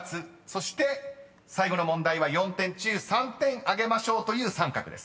そして最後の問題は４点中３点あげましょうという三角です］